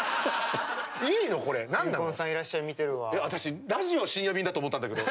私「ラジオ深夜便」だと思ったんだけど。